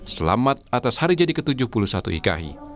selamat atas hari jadi ke tujuh puluh satu iki